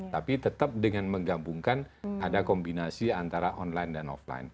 tapi tetap dengan menggabungkan ada kombinasi antara online dan offline